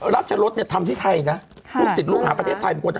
รัชรสเนี่ยทำที่ไทยนะลูกศิษย์ลูกหาประเทศไทยเป็นคน